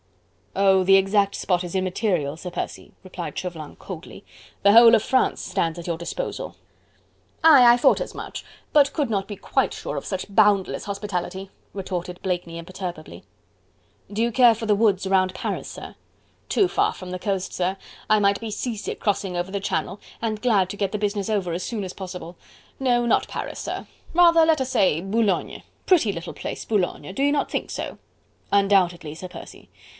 "Oh! the exact spot is immaterial, Sir Percy," replied Chauvelin coldly, "the whole of France stands at your disposal." "Aye! I thought as much, but could not be quite sure of such boundless hospitality," retorted Blakeney imperturbably. "Do you care for the woods around Paris, sir?" "Too far from the coast, sir. I might be sea sick crossing over the Channel, and glad to get the business over as soon as possible.... No, not Paris, sir rather let us say Boulogne.... Pretty little place, Boulogne... do you not think so...?" "Undoubtedly, Sir Percy."